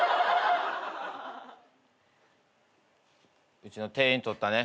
うちの店員取ったね？